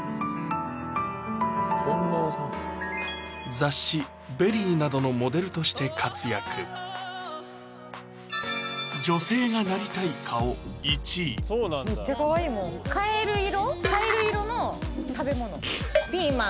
雑誌「ＶＥＲＹ」などのモデルとして活躍女性がなりたい顔１位カエル色？